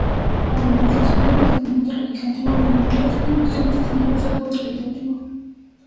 Además, expone el procedimiento legislativo y enumera las atribuciones concedidas al poder legislativo.